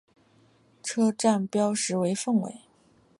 车站标识为凤尾。